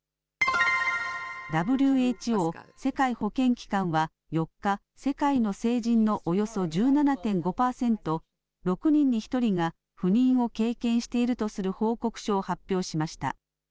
ＷＨＯ・世界保健機関は４日、世界の成人のおよそ１７．５％、６人に１人が不妊を経験しているとする報告書を発表しました。